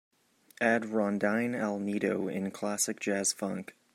add rondine al nido in Classic Jazz Funk